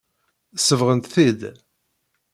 Sebɣent-t-id.